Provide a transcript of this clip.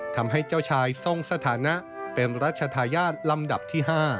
ทำให้เจ้าชายทรงสถานะเป็นรัชธาญาติลำดับที่๕